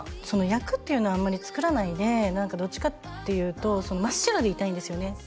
その役っていうのはあまり作らないでどっちかっていうと真っ白でいたいんですよね